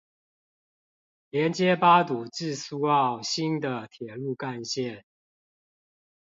連接八堵至蘇澳新的鐵路幹線